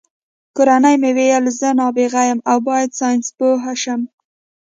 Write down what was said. کورنۍ مې ویل زه نابغه یم او باید ساینسپوه شم